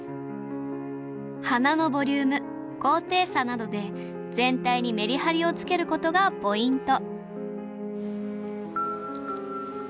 花のボリューム高低差などで全体にメリハリをつけることがポイント